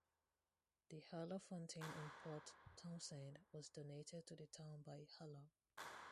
The Haller Fountain in Port Townsend was donated to the town by Haller.